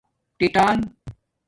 ٹی ناݣ